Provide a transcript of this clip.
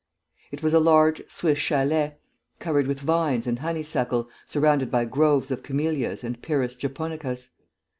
It was a large Swiss châlet, covered with vines and honeysuckle, surrounded by groves of camellias and pyrus japonicas.